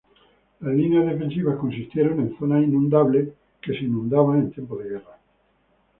Las líneas defensivas consistieron en zonas inundables, que se inundaban en tiempo de guerra.